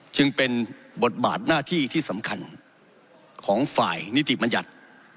จึงเป็นบทบาทหน้าที่ที่สำคัญของฝ่ายนิติบัญญัติ